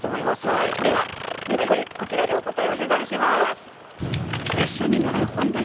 はいではゆっくりこちらでお答えをお願いします。